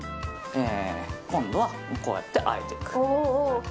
今度はこうやってあえていく。